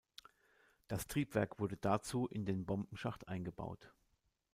Das Triebwerk wurde dazu in den Bombenschacht eingebaut.